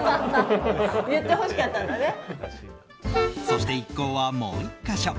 そして一行は、もう１か所。